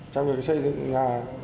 trong những xây dựng